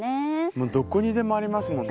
もうどこにでもありますもんね。